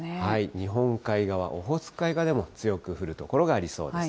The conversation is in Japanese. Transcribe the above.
日本海側、オホーツク海側でも強く降る所がありそうです。